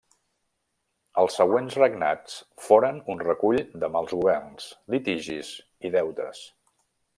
Els següents regnats foren un recull de mals governs, litigis i deutes.